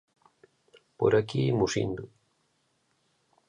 "Por aquí imos indo."